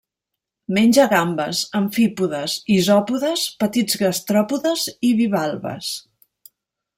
Menja gambes, amfípodes, isòpodes, petits gastròpodes i bivalves.